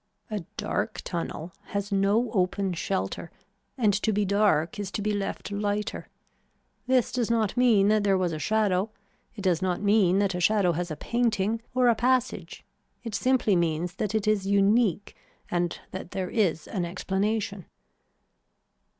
A dark tunnel has no open shelter and to be dark is to be left lighter. This does not mean that there was a shadow, it does not mean that a shadow has a painting or a passage it simply means that it is unique and that there is an explanation.